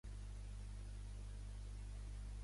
Rubiales ha de dimitir o ser cessat!